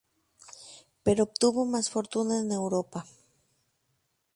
Pero obtuvo más fortuna en Europa.